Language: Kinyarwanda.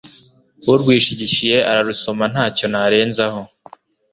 urwishigishiye ararusoma nacyo narenzaho